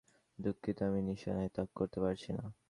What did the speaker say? দুঃখিত, আমি নিশানায় তাক করতে পারছি না।